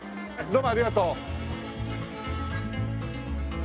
どうもありがとう。